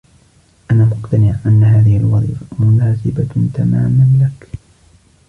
أنا مقتنع أن هذه الوظيفة مناسبة تماماً لك.